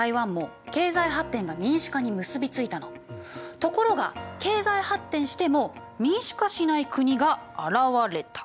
ところが経済発展しても民主化しない国が現れた。